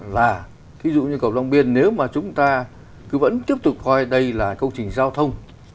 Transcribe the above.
và ví dụ như cầu long biên nếu mà chúng ta cứ vẫn tiếp tục coi đây là công trình giao thông